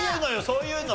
そういうの。